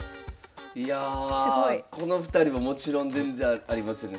この２人ももちろん全然ありますよね。